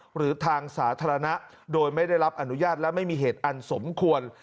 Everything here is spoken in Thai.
หรือทางสาธารณะโดยไม่ได้รับอนุญาตและไม่มีเหตุอันสมควร